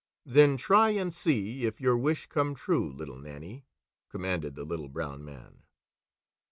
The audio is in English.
"Then try and see if your wish come true, Little Nannie," commanded the Little Brown Man.